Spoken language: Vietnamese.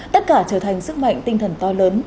tất cả trở thành sức mạnh tinh thần to lớn